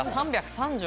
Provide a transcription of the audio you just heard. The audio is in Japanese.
３３０！